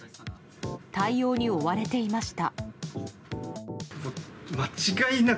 対応に追われていました。